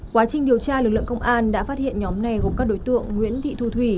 quá trình điều tra lực lượng công an đã phát hiện nhóm này gồm các đối tượng nguyễn thị thu thủy